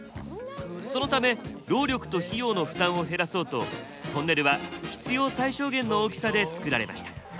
そのため労力と費用の負担を減らそうとトンネルは必要最小限の大きさで造られました。